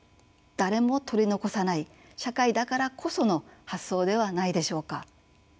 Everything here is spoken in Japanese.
誰も取り残さない社会だからこその発想ではないでしょうか。